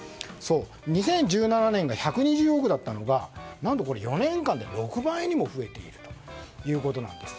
２０１７年が１２０億だったのが何と４年間で６倍にも増えているということなんです。